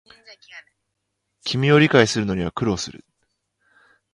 君を理解するのには苦労する